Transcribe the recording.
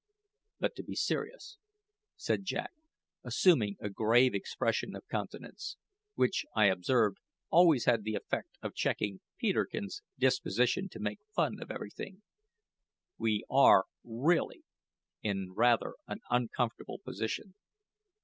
"But to be serious," said Jack, assuming a grave expression of countenance which, I observed, always had the effect of checking Peterkin's disposition to make fun of everything "we are really in rather an uncomfortable position.